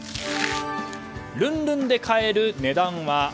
ルンルンで買える値段は？